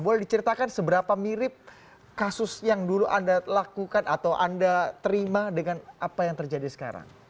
boleh diceritakan seberapa mirip kasus yang dulu anda lakukan atau anda terima dengan apa yang terjadi sekarang